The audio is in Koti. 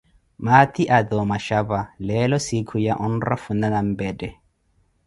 maathi ata omashapa, leelo siikhu ya onrafuna nampetthe.